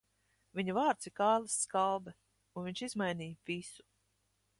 Viņa vārds ir Kārlis Skalbe, un viņš izmainīja visu.